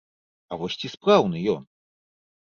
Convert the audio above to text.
А вось ці спраўны ён?